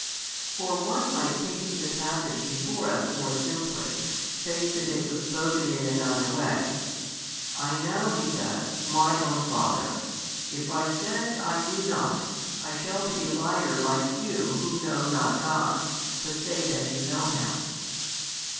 For one might taking the passage before us more simply, say that it was spoken in another way: I know (He says) My own Father; if I said I knew not, I shall be a liar like you who know not God, but say that you know Him.